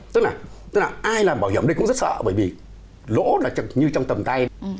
tức là ai làm bảo hiểm ở đây cũng rất sợ bởi vì lỗ là như trong tầm tay